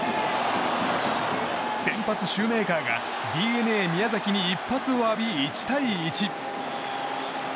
先発シューメーカーがＤｅＮＡ宮崎に一発を浴び１対１。